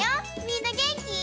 みんなげんき？